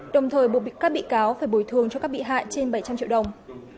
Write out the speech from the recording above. đồng thời bộ các bị cáo phải bồi thương cho các bị hại trên bảy trăm linh triệu đồng